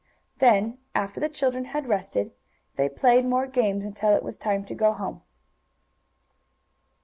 Then, after the children had rested, they played more games, until it was time to go home.